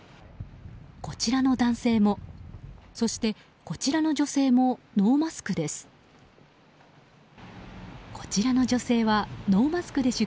こちらの男性もそしてこちらの女性もノーマスクです。